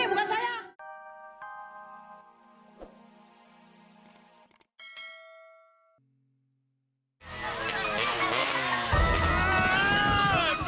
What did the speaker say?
aduh aduh aduh